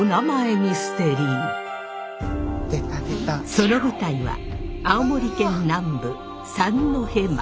その舞台は青森県南部三戸町。